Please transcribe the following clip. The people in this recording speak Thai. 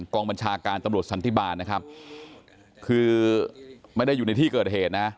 กองบัญชาการตำรวจสันติบาลนะครับคือไม่ได้อยู่ในที่เกิดเหตุนะ